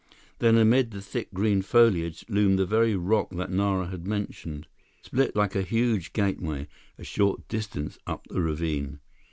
Then, amid the thick green foliage, loomed the very rock that Nara had mentioned, split like a huge gateway, a short distance up the ravine.